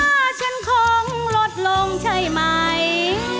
ว่าฉันคงลดลงใช่ไหม